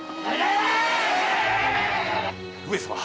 上様！